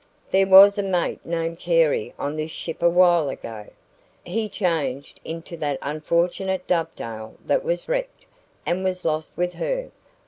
"There was a mate named Carey on this ship a while ago. He changed into that unfortunate DOVEDALE that was wrecked, and was lost with her.